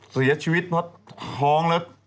เสียชีวิตเพราะท้องแล้ว